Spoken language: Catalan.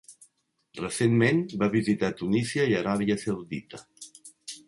Recentment, va visitar Tunísia i Aràbia Saudita.